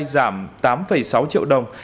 giảm tám sáu triệu đồng